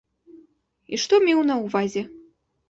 І што меў на ўвазе.